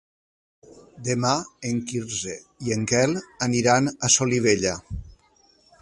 Demà en Quirze i en Quel aniran a Solivella.